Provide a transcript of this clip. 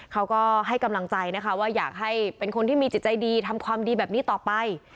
เขาก็ให้กำลังใจนะคะว่าอยากให้เป็นคนที่มีจิตใจดีทำความดีแบบนี้ต่อไป